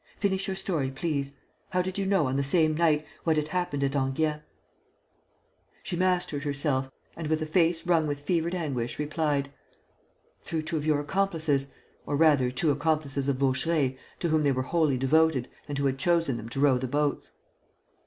Finish your story, please. How did you know, on the same night, what had happened at Enghien?" She mastered herself and, with a face wrung with fevered anguish, replied: "Through two of your accomplices, or rather two accomplices of Vaucheray, to whom they were wholly devoted and who had chosen them to row the boats."